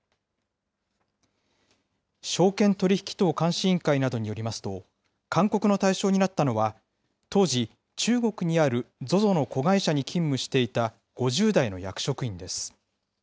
証券取引等監視委員会などによりますと、勧告の対象になったのは、当時、中国にあるＺＯＺＯの子会社に勤務していた５０代の役職員です。